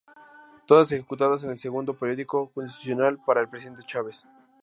Todas ejecutadas en el segundo período constitucional para el presidente Chávez.